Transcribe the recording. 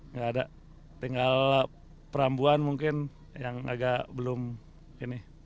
nggak ada tinggal perambuan mungkin yang agak belum ini